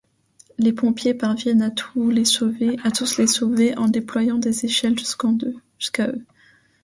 Les pompiers parviennent à tous les sauver en déployant des échelles jusqu'à eux.